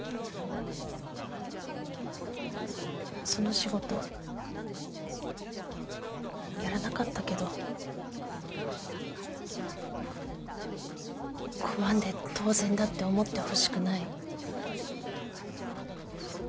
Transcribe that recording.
その仕事やらなかったけど拒んで当然だって思ってほしくない。